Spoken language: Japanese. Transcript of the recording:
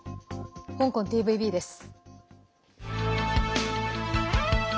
香港ＴＶＢです。